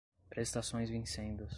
prestações vincendas